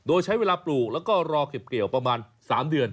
โดยใช้เวลาปลูกแล้วก็รอเก็บเกี่ยวประมาณ๓เดือน